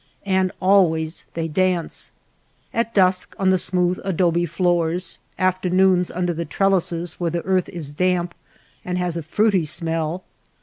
And always they dance ; at dusk on the smooth adobe floors, afternoons under the trellises where the earth is damp and has a fruity smell.